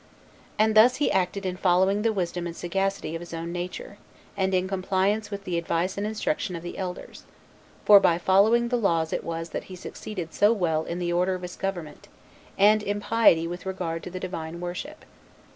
And thus he acted in following the wisdom and sagacity of his own nature, and in compliance with the advice and instruction of the elders; for by following the laws it was that he succeeded so well in the order of his government, and in piety with regard to the Divine worship.